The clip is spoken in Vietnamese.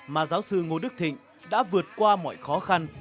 mà giáo sư ngô đức thịnh đã vượt qua mọi khó khăn